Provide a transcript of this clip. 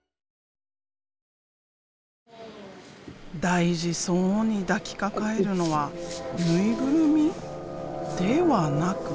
大事そうに抱きかかえるのは縫いぐるみ？ではなく。